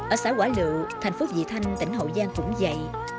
ở xã quả lự thành phố vị thanh tỉnh hậu giang cũng vậy